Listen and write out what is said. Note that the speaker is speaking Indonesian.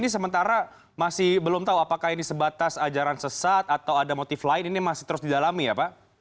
sementara masih belum tahu apakah ini sebatas ajaran sesat atau ada motif lain ini masih terus didalami ya pak